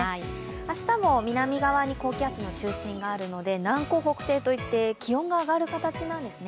明日も南側の高気圧の中心があるので南高北低といって、気温が上がる形なんですね。